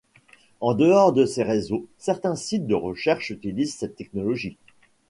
En dehors de ces réseaux, certains sites de recherche utilisent cette technologie.